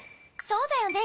そうだよね。